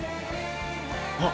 あっ。